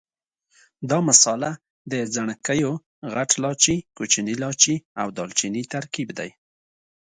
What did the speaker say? دا مساله د ځڼکیو، غټ لاچي، کوچني لاچي او دال چیني ترکیب دی.